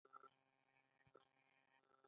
د پیتالوژي علم د طب بنسټ دی.